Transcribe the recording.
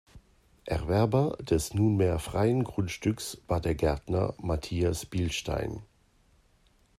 Erwerber des nunmehr freien Grundstücks war der Gärtner Matthias Bilstein.